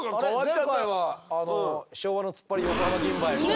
前回は昭和のツッパリ横浜銀蝿みたいな。